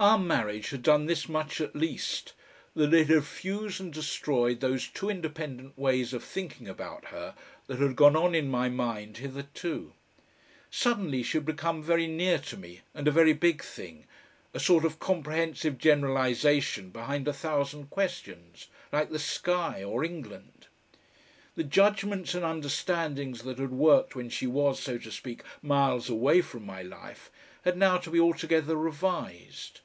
Our marriage had done this much at least, that it had fused and destroyed those two independent ways of thinking about her that had gone on in my mind hitherto. Suddenly she had become very near to me, and a very big thing, a sort of comprehensive generalisation behind a thousand questions, like the sky or England. The judgments and understandings that had worked when she was, so to speak, miles away from my life, had now to be altogether revised.